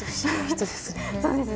そうですね